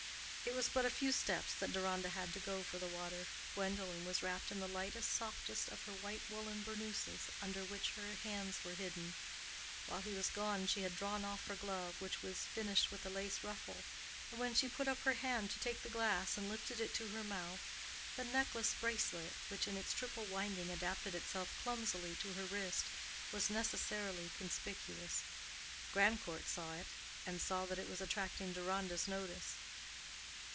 It was but a few steps that Deronda had to go for the water. Gwendolen was wrapped in the lightest, softest of white woolen burnouses, under which her hands were hidden. While he was gone she had drawn off her glove, which was finished with a lace ruffle, and when she put up her hand to take the glass and lifted it to her mouth, the necklace bracelet, which in its triple winding adapted itself clumsily to her wrist, was necessarily conspicuous. Grandcourt saw it, and saw that it was attracting Deronda's notice.